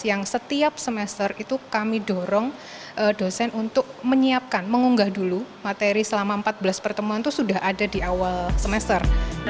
yang setiap semester itu kami dorong dosen untuk menyiapkan mengunggah dulu materi selama empat belas pertemuan itu sudah ada di awal semester